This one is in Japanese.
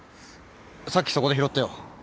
さっきそこで拾ってよ。